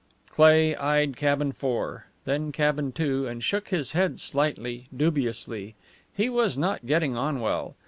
Cleigh eyed Cabin Four, then Cabin Two, and shook his head slightly, dubiously. He was not getting on well.